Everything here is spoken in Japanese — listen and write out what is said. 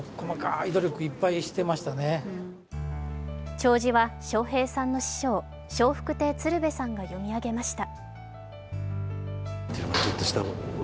弔辞は笑瓶さんの師匠、笑福亭鶴瓶さんが読み上げました。